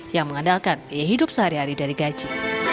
yang mengandalkan kehidupan sehari hari dari gaji